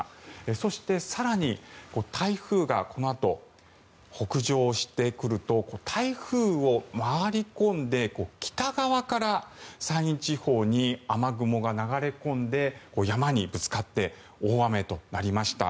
そして、更に台風がこのあと北上してくると台風を回り込んで北側から山陰地方に雨雲が流れ込んで山にぶつかって大雨となりました。